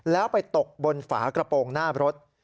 แล้วไปตกบนฝากระโปรงหน้ารถ